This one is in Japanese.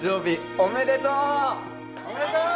・おめでとう！